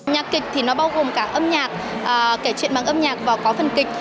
nhạc kịch thì nó bao gồm cả âm nhạc kể chuyện bằng âm nhạc và có phần kịch